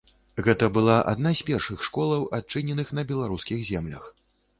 Гэта была адна з першых школаў, адчыненых на беларускіх землях.